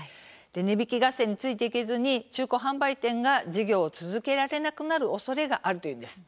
値引き合戦についていけず中古販売店が事業を続けられなくなるおそれがあるというんです。